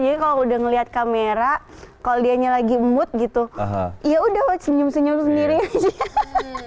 jadi kalau udah ngeliat kamera kalau dianya lagi mood gitu ya udah senyum senyum sendiri aja